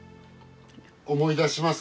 思い出しますか？